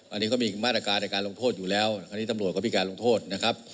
อันนี้เขามีมาตรการในการลงโทษอยู่แล้วคราวนี้ตำรวจก็มีการลงโทษนะครับ